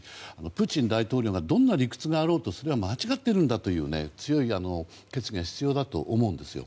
プーチン大統領がどんな理屈があろうとそれは間違っているんだという強い決議が必要だと思うんです。